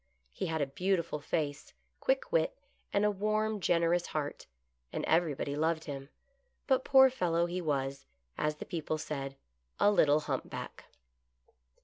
He had a beautiful face, quick wit, and a warm, generous heart, and everybody loved him ; but, poor fellow, he was, as the people said, a "little humpback."